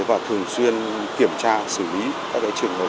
và thường xuyên kiểm tra xử lý các trường hợp